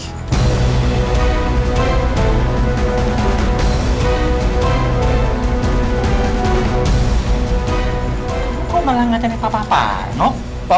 kok malah gak cek papa panos